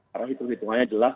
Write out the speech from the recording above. karena hitung hitungannya jelas